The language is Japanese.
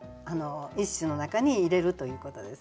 一首の中に入れるということです。